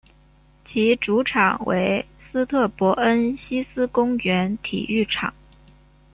其主场为斯特伯恩希思公园体育场。